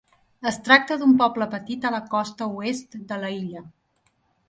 Es tracta d'un poble petit a la costa oest de la illa.